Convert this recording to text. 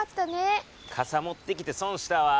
カサ持ってきて損したわ。